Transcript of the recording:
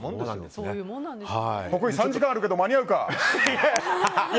徳井、３時間あるけど間に合うか？